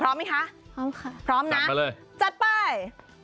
พร้อมไหมคะพร้อมค่ะจัดไป